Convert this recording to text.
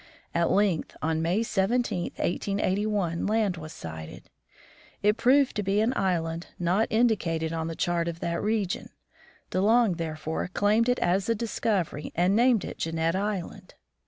At length, on May 17, 1881, land was sighted. It proved to be an island not indicated on the chart of that region. De Long therefore claimed it as a discovery, and named it Jeannette island.